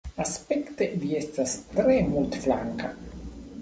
Aspekte vi estas tre multflanka.